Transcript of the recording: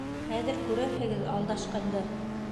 Хәҙер күрерһегеҙ алдашҡанды!